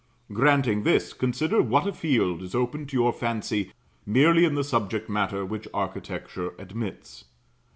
Granting this, consider what a field is opened to your fancy merely in the subject matter which architecture admits.